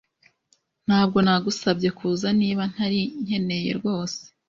Ntabwo nagusabye kuza niba ntari nkenewe rwose.